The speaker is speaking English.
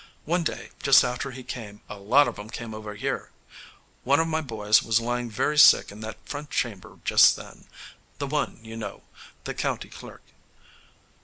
One day, just after he came, a lot of 'em came over here. One of my boys was lying very sick in that front chamber just then the one you know, the county clerk.